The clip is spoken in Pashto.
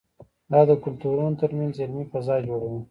دا د کلتورونو ترمنځ علمي فضا جوړوي.